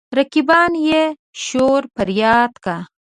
رقیبان يې شور فرياد کا.